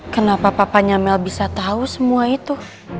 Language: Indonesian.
kenapa papa nyamel bisa tau semua itu